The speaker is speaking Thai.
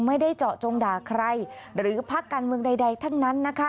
ไม่ได้เจาะจงด่าใครหรือพักการเมืองใดทั้งนั้นนะคะ